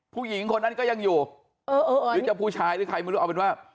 ผู้หญิงคนนั้นก็ยังอยู่หรือจะผู้ชายหรือใครไม่รู้เอาเป็นว่า